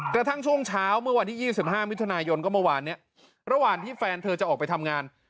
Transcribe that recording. กระทั่งช่วงเช้าเมื่อวันที่๒๕มิถุนายนก็เมื่อวานเนี่ยระหว่างที่แฟนเธอจะออกไปทำงาน